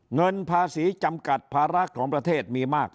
เงินภาษีจำกัดภาระของประเทศมีมาก